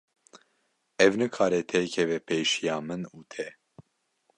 Ev nikare têkeve pêşiya min û te.